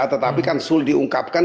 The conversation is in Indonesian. tetapi kan sul diungkapkan